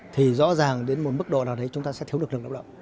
thì rõ ràng đến một mức độ nào đấy chúng ta sẽ thiếu lực lượng lao động